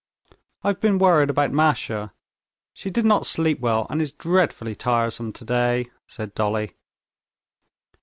"I've been worried about Masha. She did not sleep well, and is dreadfully tiresome today," said Dolly.